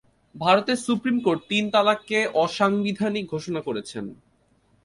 ভারতের supreme court, "তিন তালাক"কে অসাংবিধানিক ঘোষণা করেছেন।